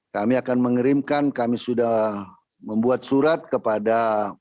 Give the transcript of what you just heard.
kami akan mengerimkan kami sudah membuat surat kepada